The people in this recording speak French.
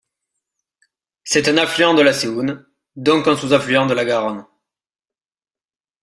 C'est un affluent de la Séoune, donc un sous-affluent de la Garonne.